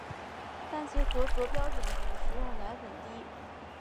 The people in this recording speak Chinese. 但其合格标准比食用奶粉低。